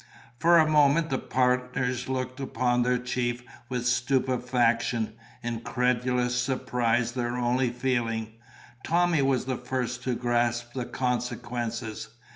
For a moment the partners looked upon their chief with stupefaction, incredulous surprise their only feeling. Tommy was the first to grasp the consequences.